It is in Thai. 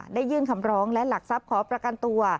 ยื่นคำร้องและหลักทรัพย์ขอประกันตัว